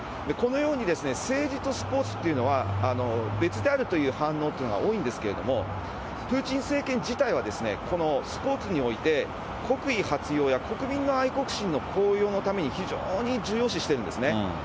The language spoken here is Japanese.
このように政治とスポーツっていうのは、別であるという反応というのが多いんですけれども、プーチン政権自体は、スポーツにおいて、国威発揚や国民の愛国心の高揚のために、非常に重要視してるんですね。